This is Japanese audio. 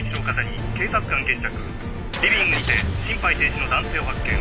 リビングにて心肺停止の男性を発見。